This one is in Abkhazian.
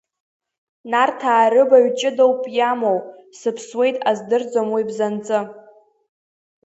Нарҭаа рыбаҩ ҷыдоуп иамоу, сыԥсуеит аздырӡом уи бзанҵы.